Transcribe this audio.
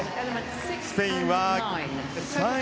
スペインは３位。